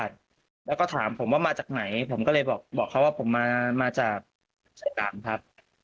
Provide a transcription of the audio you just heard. หมอบิ้งก็มาจากไหนผมก็เลยบอกเขาว่าผมมาจากสายตามครับ